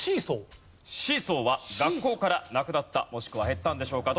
シーソーは学校からなくなったもしくは減ったんでしょうか？